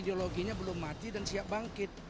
ideologinya belum mati dan siap bangkit